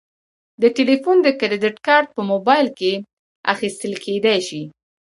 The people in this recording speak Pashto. د تلیفون د کریدت کارت په موبایل کې اخیستل کیدی شي.